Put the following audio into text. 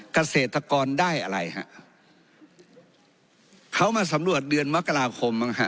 เกษตรกรได้อะไรฮะเขามาสำรวจเดือนมกราคมบ้างฮะ